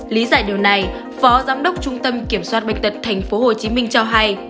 lý giải điều này phó giám đốc trung tâm kiểm soát bệnh tật tp hcm cho hay